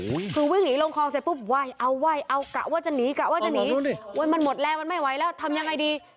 อ้าววววววววววคือวิ่งหนีลงคลองมาก็เผาว่าจะหนีมันหมดแรงแล้วทำยังไงดี